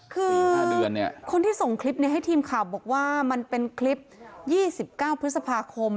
คือคนที่ส่งคลิปนี้ให้ทีมข่าวบอกว่ามันเป็นคลิป๒๙พฤษภาคม